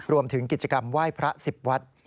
รวมถึงกิจกรรมไหว้พระ๑๐วัด